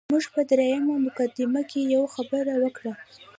موږ په دویمه مقدمه کې یوه خبره وکړه.